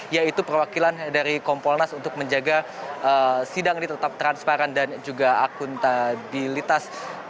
yaitu perwakilan dari kompolnas untuk menjaga sidang ini tetap transparan dan juga akuntabilitas